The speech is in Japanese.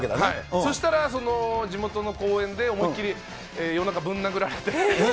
そしたら、地元の公園で思いっ切り夜中、ぶん殴られて。